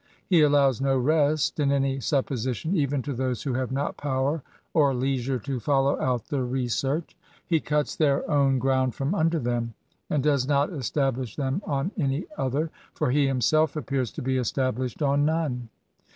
He allows no rest in any supposition even to those who have not power or leisure to foUow out the research. He cuts their own ground from under them, and does not establish them on any other, for he himself appears to be established on none.